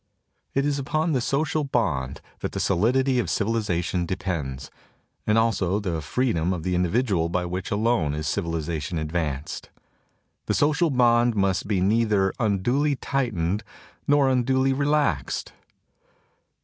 It is upon the social bond that the solidity of civilization depends, and also the freedom of the individual by which alone is civilization ad vanced. The social bond must be neither un duly tightened nor unduly relaxed.